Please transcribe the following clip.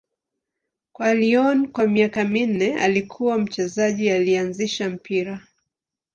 Kwa Lyon kwa miaka minne, alikuwa mchezaji aliyeanzisha mpira.